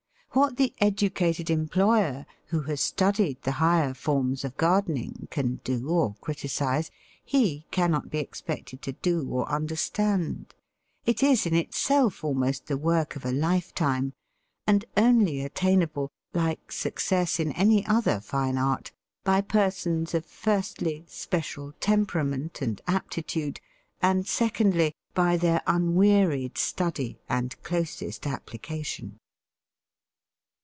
What the educated employer who has studied the higher forms of gardening can do or criticise, he cannot be expected to do or understand; it is in itself almost the work of a lifetime, and only attainable, like success in any other fine art, by persons of, firstly, special temperament and aptitude; and, secondly, by their unwearied study and closest application.